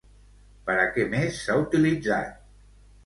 Per a què més s'ha utilitzat?